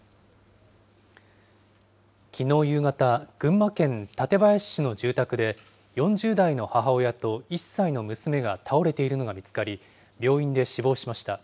きのう夕方、群馬県館林市の住宅で、４０代の母親と１歳の娘が倒れているのが見つかり、病院で死亡しました。